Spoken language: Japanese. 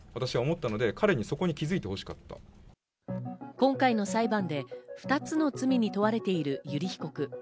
今回の裁判で２つの罪に問われている油利被告。